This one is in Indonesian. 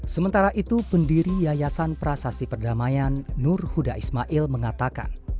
sementara itu pendiri yayasan prasasti perdamaian nur huda ismail mengatakan